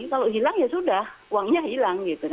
kalau hilang ya sudah uangnya hilang gitu